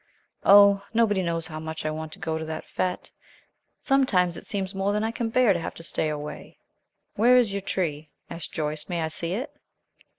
Oh, nobody knows how much I want to go to that fête! Sometimes it seems more than I can bear to have to stay away." "Where is your tree?" asked Joyce. "May I see it?"